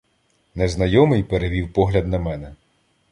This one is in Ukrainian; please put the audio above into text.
Незнайомий перевів погляд на мене.